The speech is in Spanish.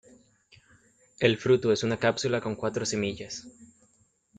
El fruto es una cápsula con cuatro semillas.